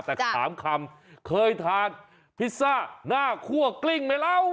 แต่ถามคำเคยทานพิซซ่าหน้าคั่วกลิ้งไหมเล่า